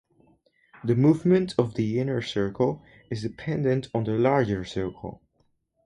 The movement of the inner circle is dependent on the larger circle.